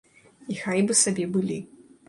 І хай бы сабе былі.